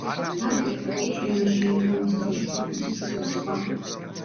დაკლება კი წვიმაში ან ღამის დროში ყოფნის დროს და სხვა.